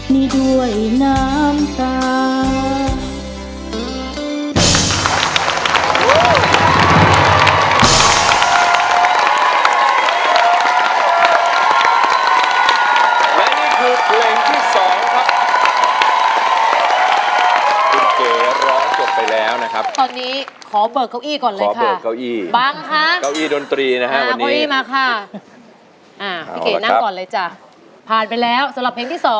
นี่ด้วยน้ำตา